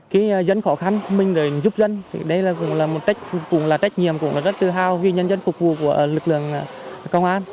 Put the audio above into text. cái dân khó khăn mình để giúp dân thì đây cũng là một trách nhiệm cũng rất tự hào vì nhân dân phục vụ của lực lượng công an